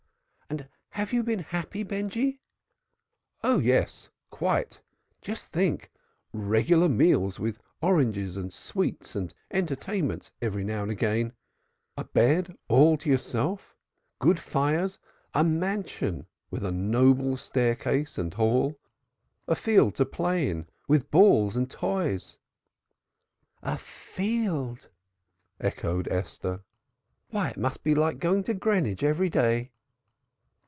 "And have you been happy, Benjy?" "Oh yes. Quite. Just think! Regular meals, with oranges and sweets and entertainments every now and then, a bed all to yourself, good fires, a mansion with a noble staircase and hall, a field to play in, with balls and toys " "A field!" echoed Esther. "Why it must be like going to Greenwich every day."